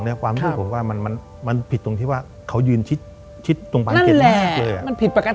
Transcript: ไม่ใช่เห็นปุ๊บคงไปทรงไปแซว